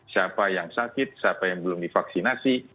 siapa yang sakit siapa yang belum divaksinasi